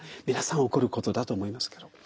皆さん起こることだと思いますけど。